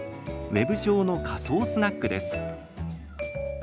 ウェブ上の仮想スナックです。